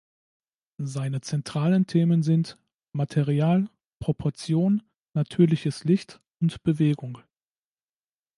Seine zentralen Themen sind: Material, Proportion, natürliches Licht und Bewegung.